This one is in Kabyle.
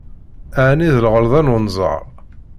Ɛni d lɣelḍa n unẓar?